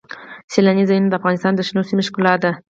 سیلانی ځایونه د افغانستان د شنو سیمو ښکلا ده.